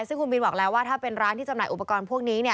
ซึ่งคุณบินบอกแล้วว่าถ้าเป็นร้านที่จำหน่ายอุปกรณ์พวกนี้